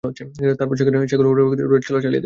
তারপর সেগুলো এখানে রেখে উপর দিয়ে রোড-রোলার চালিয়ে দেবো।